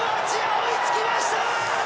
追いつきました！